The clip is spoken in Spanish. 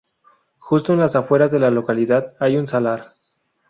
Justo en las afueras de la localidad hay un salar.